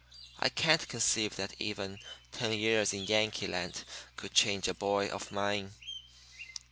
I can't conceive that even ten years in Yankee land could change a boy of mine.